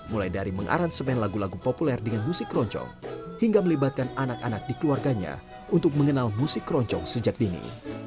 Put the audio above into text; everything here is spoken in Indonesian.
mulai dari mengaransemen lagu lagu populer dengan musik keroncong hingga melibatkan anak anak di keluarganya untuk mengenal musik keroncong sejak dini